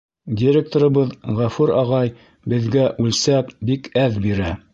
Директорыбыҙ Ғәфүр ағай беҙгә үлсәп, бик әҙ бирә.